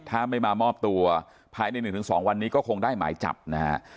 ถ้าไม่มามอบตัวภายใน๑๒วันนี้ก็คงได้หมายจับนะฮะ